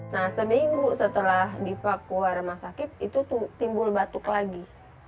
nah seminggu setelah diva keluar rumah sakit itu timbul batuk lagi